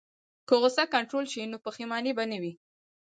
که غوسه کنټرول شي، نو پښیماني به نه وي.